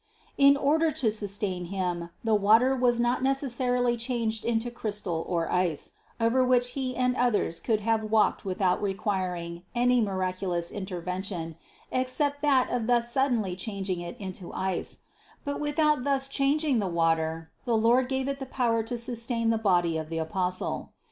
In order to sustain him, the water was not necessarily changed into crystal or ice, over which he and others could have walked without requir ing any miraculous intervention except that of thus sud denly changing it into ice ; but without thus changing the water, the Lord gave it the power to sustain the body of 176 CITY OF GOD the Apostle.